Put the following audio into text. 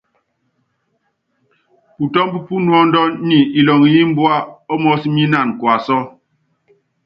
Putɔ́mb pú nuɔ́ndɔn nyɛ ilɔŋ í imbua ɔ́ mɔɔ́s mí ínan kuasɔ́.